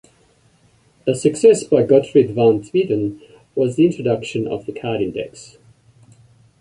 A success by Gottfried van Swieten was the introduction of the card index.